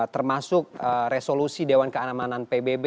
termasuk resolusi dewan keamanan pbb